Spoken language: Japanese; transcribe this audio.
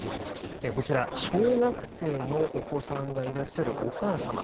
こちら、小学生のお子さんがいらっしゃるお母様。